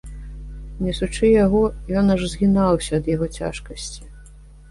Несучы яго, ён аж згінаўся ад яго цяжкасці.